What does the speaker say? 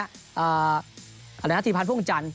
เอ่ออะไรนะธีพพันธ์พวกจันทร์